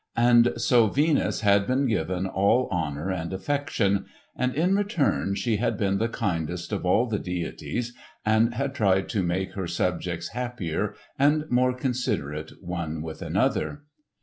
And so Venus had been given all honour and affection; and in return she had been the kindest of all the deities and had tried to make her subjects happier and more considerate one with another.